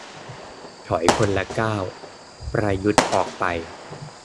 ถอยคนละก้าว ประยุทธ์ออกไป